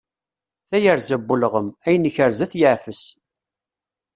Tayerza n ulɣem, ayen ikrez ad t-yeɛfes.